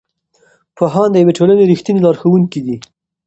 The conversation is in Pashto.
پوهان د یوې ټولنې رښتیني لارښوونکي دي.